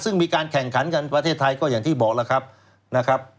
ซึ่งมีการแข่งขันกันประเทศไทยก็อย่างที่บอกแล้วครับนะครับ